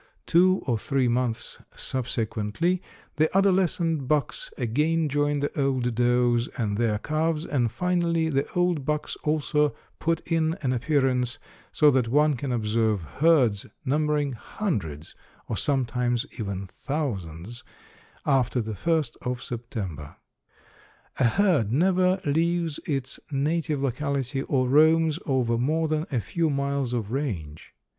Two or three months subsequently the adolescent bucks again join the old does and their calves, and finally the old bucks also put in an appearance, so that one can observe herds, numbering hundreds, or sometimes even thousands, after the first of September. A herd never leaves its native locality or roams over more than a few miles of range.